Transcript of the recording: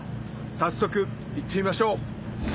早速行ってみましょう。